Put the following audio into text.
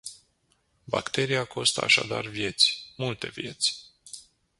Bacteria costă așadar vieți, multe vieți.